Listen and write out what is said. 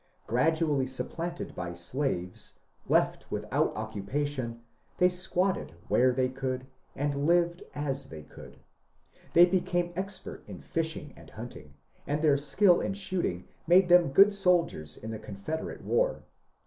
Gradually supplanted by slaves, left without occupa tion, they ^^ squatted" where they could and lived as they could. They became expert in fishing and hunting, and their skill in shooting made them good soldiers in the Confederate war.